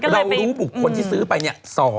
รู้บุคคลที่ซื้อไปเนี่ย